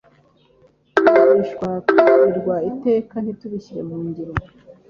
twigishwa tubwirwa iteka, nitubishyire mungiro